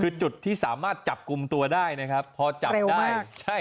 คือจุดที่สามารถจับกลุ่มตัวได้นะครับพอจับได้ใช่